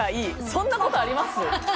そんなことあります？